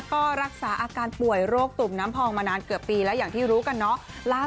ก็รักษาอาการป่วยโรคตุ่มน้ำพองมานานเกือบปีแล้วอย่างที่รู้กันเนาะ